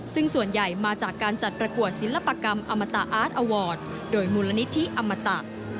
ซึ่งส่วนใหญ่มาจากการจัดประกวดศิลปกรรมอมตะอาร์ตอวอร์ดโดยมูลนิธิอมตะ